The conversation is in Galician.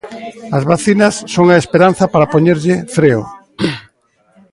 As vacinas son a esperanza para poñerlle freo.